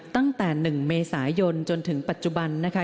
ตั้งแต่๑เมษายนจนถึงปัจจุบันนะคะ